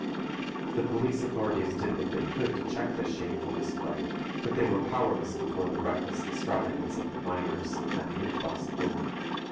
The police authorities did what they could to check this shameful display, but they were powerless before the reckless extravagance of the miners and the influx of women.